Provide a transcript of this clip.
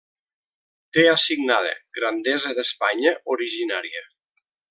Té assignada Grandesa d'Espanya originària.